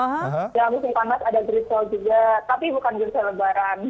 dan musim tamat ada great soul juga tapi bukan great soul lebaran